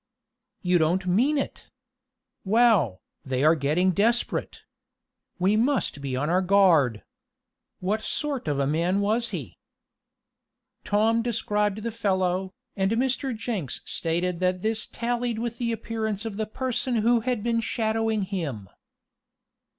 "You don't mean it! Well, they are getting desperate! We must be on our guard. What sort of a man was he?" Tom described the fellow, and Mr. Jenks stated that this tallied with the appearance of the person who had been shadowing him.